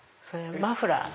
マフラーだ。